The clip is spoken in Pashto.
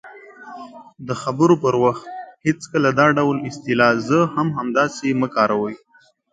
-د خبرو پر وخت هېڅکله دا ډول اصطلاح"زه هم همداسې" مه کاروئ :